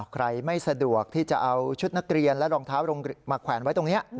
ไม่สะดวกที่จะเอาชุดนักเรียนและรองเท้าลงมาแขวนไว้ตรงนี้